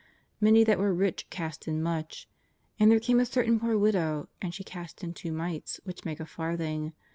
Many that were rich cast in much. And there came a certain poor widow, and she cast in two mites, w^hich make a farthing.